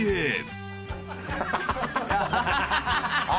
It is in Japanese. あ。